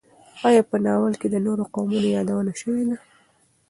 ایا په ناول کې د نورو قومونو یادونه شوې ده؟